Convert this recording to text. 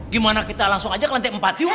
gimana kita langsung aja ke lantai empat juga